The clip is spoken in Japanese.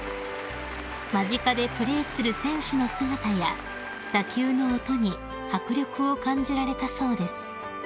［間近でプレーする選手の姿や打球の音に迫力を感じられたそうです］